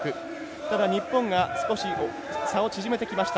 ただ日本が少し差を縮めてきました。